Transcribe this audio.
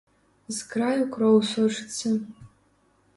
З краю кроў сочыцца.